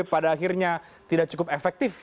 pada akhirnya tidak cukup efektif